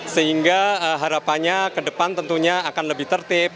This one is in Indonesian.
sehingga harapannya ke depan tentunya akan lebih tertib